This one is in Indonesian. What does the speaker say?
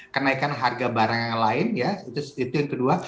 kenaikan harga barang yang lain ya itu yang kedua